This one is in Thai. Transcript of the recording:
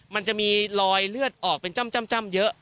มันจะมีรอยเลือดออกเป็นจ้ำเยอะ